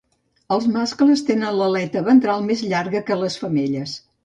Els mascles tenen l'aleta ventral més llarga que les femelles.